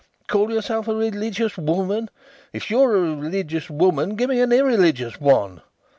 Call yourself a religious woman? If you're a religious woman, give me a irreligious one!